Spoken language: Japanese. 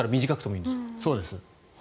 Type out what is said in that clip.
そうです。